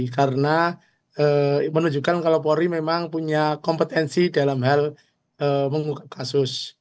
karena menunjukkan kalau polri memang punya kompetensi dalam hal mengungkap kasus